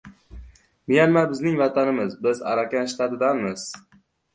“Myanma – bizning vatanimiz, biz Arakan shtatidanmiz”